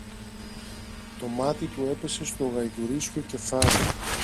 Το μάτι του έπεσε στο γαϊδουρίσιο κεφάλι.